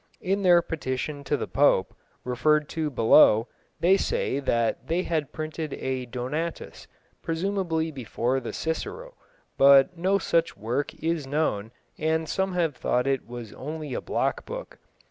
In their petition to the Pope, referred to below, they say that they had printed a Donatus, presumably before the Cicero, but no such work is known, and some have thought it was only a block book.